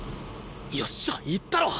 よっしゃいったろ！